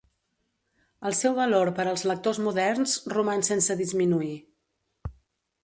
El seu valor per als lectors moderns roman sense disminuir.